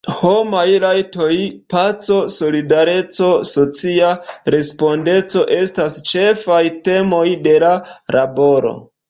Homaj rajtoj, paco, solidareco, socia respondeco estas ĉefaj temoj de la laboro.